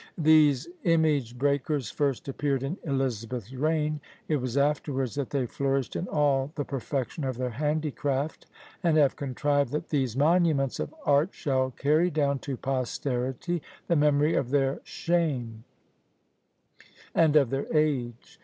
These image breakers first appeared in Elizabeth's reign; it was afterwards that they flourished in all the perfection of their handicraft, and have contrived that these monuments of art shall carry down to posterity the memory of their SHAME and of their age.